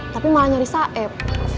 tapi malah nyari saeb